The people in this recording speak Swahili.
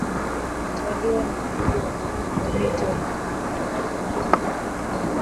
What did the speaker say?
walitawaliwa na Wahinda Wabito na Wankango